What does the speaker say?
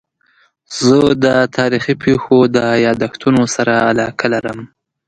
زه د تاریخي پېښو د یادښتونو سره علاقه لرم.